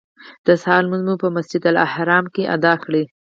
د سهار لمونځ مو په مسجدالحرام کې ادا کړ.